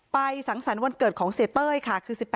เพลงที่สุดท้ายเสียเต้ยมาเสียชีวิตค่ะ